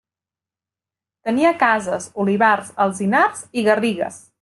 Tenia cases, olivars, alzinars i garrigues.